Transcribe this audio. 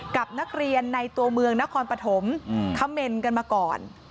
กับนักเรียนในตัวเมืองนครปฐมคำเมนต์กันมาก่อน